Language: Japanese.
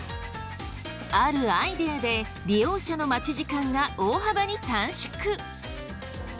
あるアイデアで利用者の待ち時間が大幅に短縮！